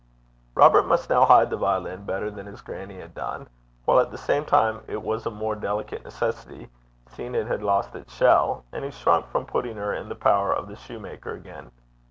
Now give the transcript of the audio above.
Robert must now hide the violin better than his grannie had done, while at the same time it was a more delicate necessity, seeing it had lost its shell, and he shrunk from putting her in the power of the shoemaker again.